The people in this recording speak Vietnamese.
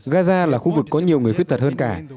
gaza là khu vực có nhiều người khuyết tật hơn cả